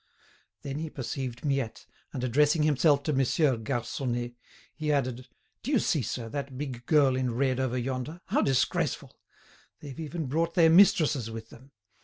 Then he perceived Miette, and addressing himself to Monsieur Garconnet, he added: "Do you see, sir, that big girl in red over yonder? How disgraceful! They've even brought their mistresses with them.